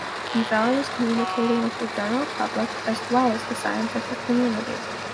He values communicating with the general public as well as the scientific community.